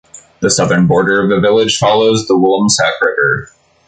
The southern border of the village follows the Walloomsac River.